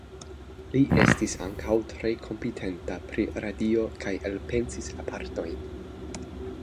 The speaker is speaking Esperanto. Li estis ankaŭ tre kompetenta pri radio kaj elpensis aparatojn.